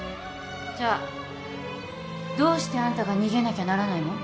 じゃあどうしてあんたが逃げなきゃならないの？